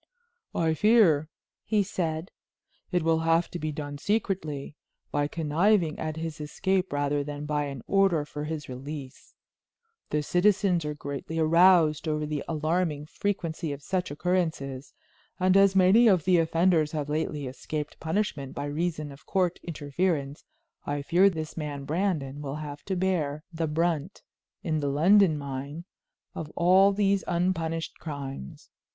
"I fear," he said, "it will have to be done secretly by conniving at his escape rather than by an order for his release. The citizens are greatly aroused over the alarming frequency of such occurrences, and as many of the offenders have lately escaped punishment by reason of court interference, I fear this man Brandon will have to bear the brunt, in the London mind, of all these unpunished crimes.